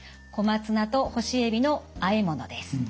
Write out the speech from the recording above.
小松菜と干しえびのあえものです。